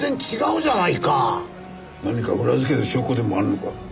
何か裏付ける証拠でもあるのか？